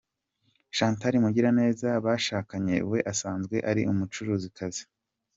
Chantal Mugiraneza bashakanye, we asanzwe ari umucuruzikazi.